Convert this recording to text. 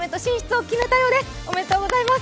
おめでとうございます。